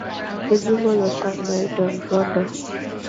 The jingle was sung by Don Rondo.